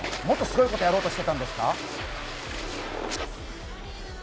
もっとすごいことをやろうとしていたんですか？